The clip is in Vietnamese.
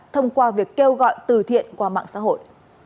thông qua việc kêu gọi từ thiện qua mạng xã hội